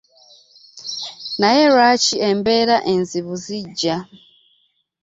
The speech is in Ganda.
Naye lwaki embeera enzibu zijja?